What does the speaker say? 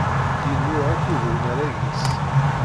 Yennuɣ akked unarag-is.